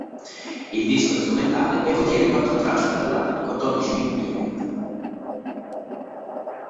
Il disco è strumentale e contiene quattro tracce della durata di quattordici minuti ognuna.